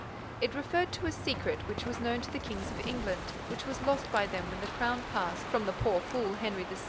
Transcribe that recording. It referred to a secret which was known to the Kings of England, which was lost by them when the crown passed from the poor fool, Henry VI.